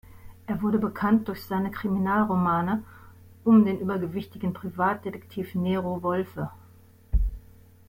Er wurde bekannt durch seine Kriminalromane um den übergewichtigen Privatdetektiv Nero Wolfe.